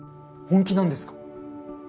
本気なんですか？